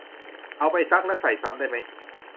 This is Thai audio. เอาไปซักแล้วใส่ซ้ำได้ไหม